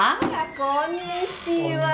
こんにちは。